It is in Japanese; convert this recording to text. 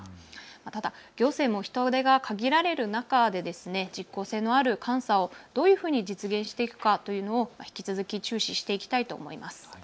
ただ行政も人手が限られる中で実効性のある監査をどういうふうに実現していくかというのを引き続き注視していきたいと思います。